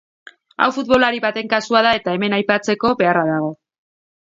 Hau futbolari baten kasua da eta hemen aipatzeko beharra dago.